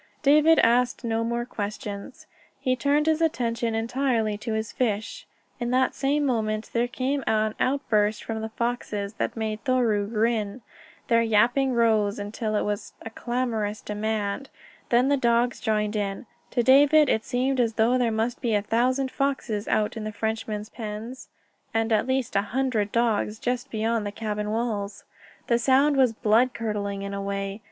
David asked no more questions. He turned his attention entirely to his fish. In that same moment there came an outburst from the foxes that made Thoreau grin. Their yapping rose until it was a clamorous demand. Then the dogs joined in. To David it seemed as though there must be a thousand foxes out in the Frenchman's pens, and at least a hundred dogs just beyond the cabin walls. The sound was blood curdling in a way.